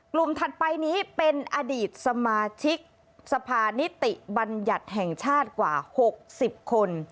ถัดไปนี้เป็นอดีตสมาชิกสภานิติบัญญัติแห่งชาติกว่า๖๐คน